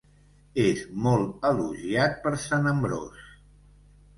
És molt elogiat per Sant Ambròs.